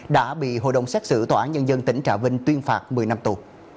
đã bị hội đồng xét xử tòa án nhân dân tỉnh trà vinh tuyên phạt một mươi năm tù